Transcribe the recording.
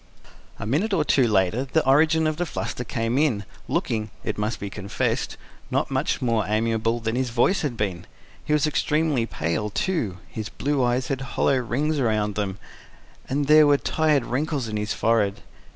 A minute or two later the origin of the fluster came in, looking, it must be confessed, not much more amiable than his voice had been: he was extremely pale, too, his blue eyes had hollow rings round them, and there were tired wrinkles on his forehead.